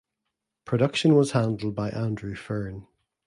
Production was handled by Andrew Fearn.